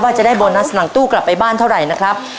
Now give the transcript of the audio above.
จะได้โบนัสหลังตู้กลับไปบ้านเท่าไหร่นะครับ